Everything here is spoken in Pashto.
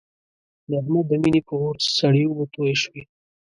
د احمد د مینې پر اور سړې اوبه توی شوې.